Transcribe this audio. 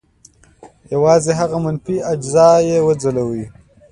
یوازې هغه منفي اجزا یې وځلوي.